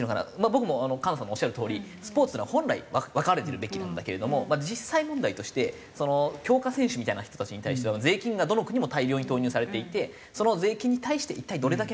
僕も菅野さんのおっしゃるとおりスポーツっていうのは本来分かれてるべきなんだけれども実際問題として強化選手みたいな人たちに対しては税金がどの国も大量に投入されていてその税金に対して一体どれだけメダルがとれますかと。